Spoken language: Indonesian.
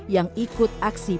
yang ikut aksi